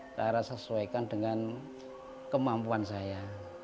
saya rasa sesuaikan dengan kemampuan saya